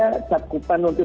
ya jadi kalau dosis ketiga